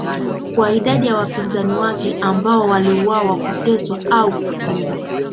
kwa idadi ya wapinzani wake ambao waliuawa kuteswa au kufungwa